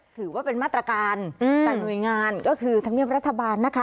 ถือว่าเป็นมาตรการแต่หน่วยงานก็คือธรรมเนียบรัฐบาลนะคะ